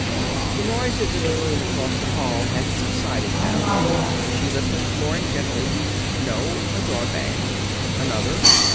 The noises in the room across the hall had subsided now. She listened more intently. No, a drawer banged. Another.